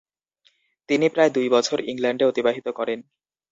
তিনি প্রায় দুই বছর ইংল্যান্ডে অতিবাহিত করেন।